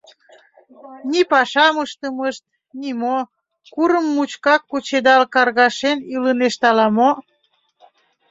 Ни пашам ыштымышт, ни мо, курым мучкак кучедал-каргашен илынешт ала-мо?